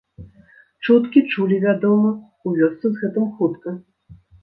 Чуткі чулі вядома, у вёсцы з гэтым хутка.